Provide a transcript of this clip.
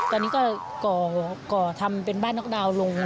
ตอนนี้ก็ทำอยู่บ้านน๊อกดาวลง